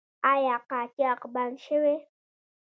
آیا قاچاق بند شوی؟